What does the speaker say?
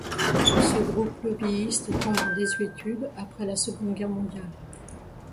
Ce groupe lobbyiste tombe en désuétude après la Seconde Guerre mondiale.